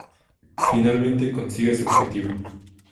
Finalmente consigue su objetivo.